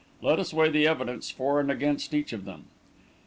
Let us weigh the evidence for and against each of them.